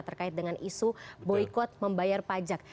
terkait dengan isu boykot membayar pajak